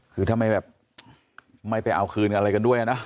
คือถ้าไม่แบบไม่ไปเอาคืนอะไรกันด้วยนะ